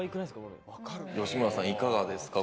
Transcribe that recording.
吉村さん、いかがですか？